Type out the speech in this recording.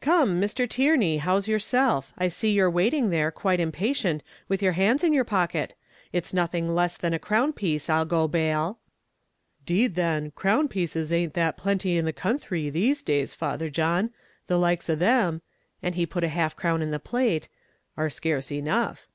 "Come, Mr. Tierney, how's yourself? I see you're waiting there, quite impatient, with your hands in your pocket. It's nothing less than a crown piece, I'll go bail." "'Deed then, crown pieces a'nt that plenty in the counthry, these days, Father John; the likes of them" and he put half a crown in the plate "are scarce enough."